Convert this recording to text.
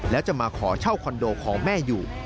แล้วจะมาขอเช่าคอนโดของแม่อยู่